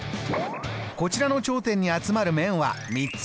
こちらの頂点に集まる面は３つ。